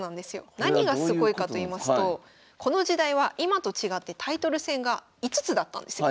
何がすごいかと言いますとこの時代は今と違ってタイトル戦が５つだったんですよ。